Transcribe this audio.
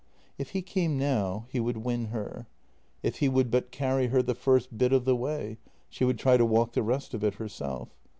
If he came now — he would win her. If he would but carry her the first bit of the way, she would try to walk the rest of it herself.